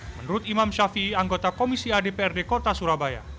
menurut imam syafi'i anggota komisi adprd kota surabaya